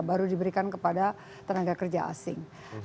baru diberikan kepada tenaga kerja asing